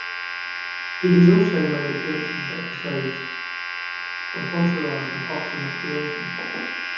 He has also made appearances of episodes of "Entourage" and "Parks and Recreation".